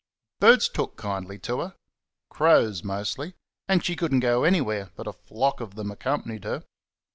Birds took kindly to her crows mostly and she could n't go anywhere but a flock of them accompanied her.